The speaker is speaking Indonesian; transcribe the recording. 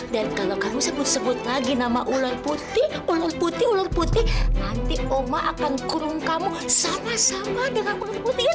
kalau kamu sebut sebut lagi nama ular putih ular putih ular putih nanti oma akan kurung kamu sama sama dengan ulung putih